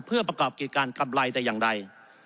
เพื่อประกอบกิจการกำไรแต่อย่างใด